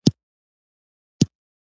د سولې د راتګ سره نړۍ رنګینه کېږي.